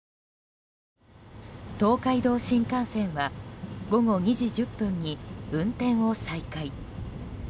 東海道新幹線は午後２時１０分に運転を再開。